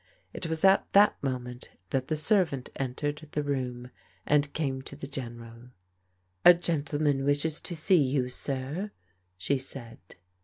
It was at that moment that the servant entered the room and came to the General. " A gentleman wishes to see you, sir," she said.